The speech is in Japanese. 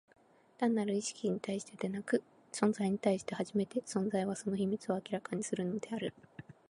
単なる意識に対してでなく、存在に対して初めて、存在は、その秘密を明らかにするのである。